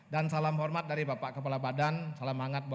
dan salam hormat dari bapak kepala badan pangan nasional yang hadir pak